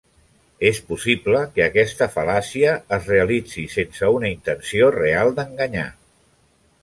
És possible que aquesta fal·làcia es realitzi sense una intenció real d'enganyar.